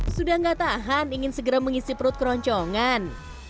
sudah gak tahan ingin segera mengisi perut keroncongan